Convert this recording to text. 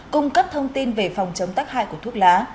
cung cấp thông tin về phòng chống tắc hại của thuốc lá